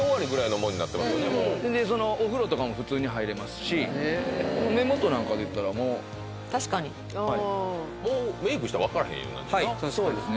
もうお風呂とかも普通に入れますし目元なんかで言ったらもう確かにもうメイクしたら分からへんようになんねんなはいそうですね